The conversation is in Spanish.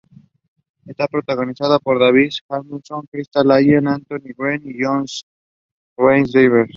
Está protagonizada por David Hasselhoff, Crystal Allen, Anthony Green y John Rhys-Davies.